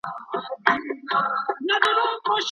مرکزي کتابتون په غلطه توګه نه تشریح کیږي.